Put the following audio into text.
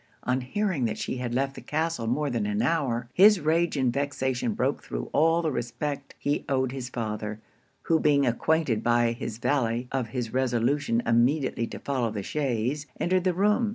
On hearing that she had left the castle more than an hour, his rage and vexation broke through all the respect he owed his father; who being acquainted by his valet of his resolution immediately to follow the chaise, entered the room.